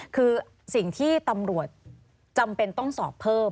คือสิ่งที่ตำรวจจำเป็นต้องสอบเพิ่ม